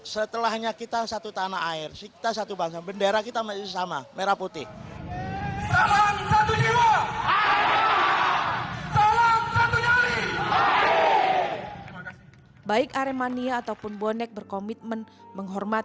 setelahnya kita satu tanah air kita satu bangsa bendera kita sama merah putih